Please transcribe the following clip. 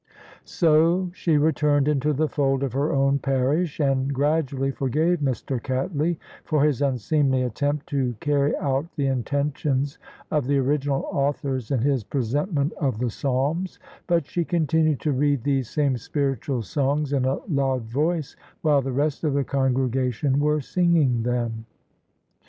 So she returned into the fold of her own parish, and gradually forgave Mr. Cattley for his unseemly attempt to carry out the intentions of the original authors in his pre sentment of the Psalms: but she continued to read these same spiritual songs in a loud voice while the rest of the congregation were singing them.